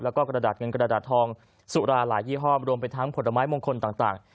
แล้วก็กระดาษเงินกระดาษทองสุราหลายยี่ห้อมรวมไปทั้งผลไม้มงคลต่าง